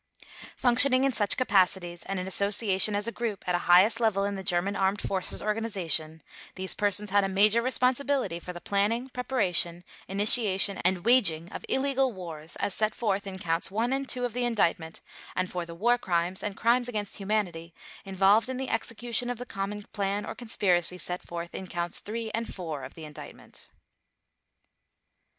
Functioning in such capacities and in association as a group at a highest level in the German Armed Forces Organization, these persons had a major responsibility for the planning, preparation, initiation, and waging of illegal wars as set forth in Counts One and Two of the Indictment and for the War Crimes and Crimes against Humanity involved in the execution of the common plan or conspiracy set forth in Counts Three and Four of the Indictment.